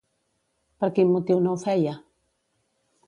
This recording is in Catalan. Per quin motiu no ho feia?